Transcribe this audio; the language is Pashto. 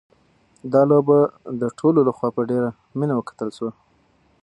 دا لوبه د ټولو لخوا په ډېره مینه وکتل شوه.